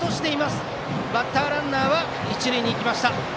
バッターランナーは一塁に行きました。